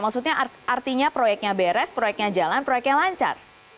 maksudnya artinya proyeknya beres proyeknya jalan proyeknya lancar